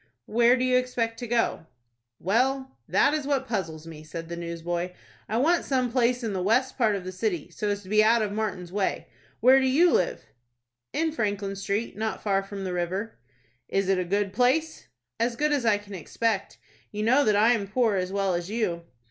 "Where do you expect to go?" "Well, that is what puzzles me," said the newsboy. "I want some place in the west part of the city, so as to be out of Martin's way. Where do you live?" "In Franklin Street, not far from the river." "Is it a good place?" "As good as I can expect. You know that I am poor as well as you."